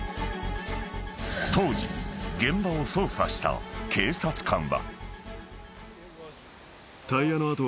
［当時現場を捜査した警察官は］